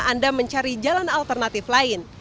anda mencari jalan alternatif lain